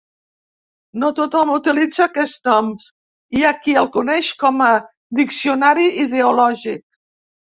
No tothom utilitza aquest nom, hi ha qui el coneix com a diccionari ideològic.